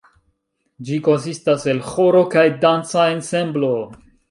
Ĝi konsistas el ĥoro kaj danca ensemblo.